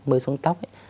mới xuống tóc